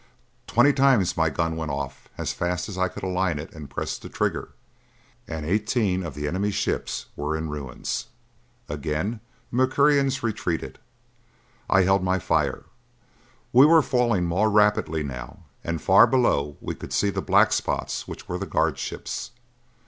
Twenty times my gun went off as fast as I could align it and press the trigger, and eighteen of the enemy ships were in ruins. Again the Mercurians retreated. I held my fire. We were falling more rapidly now and far below we could see the black spots which were the guard ships.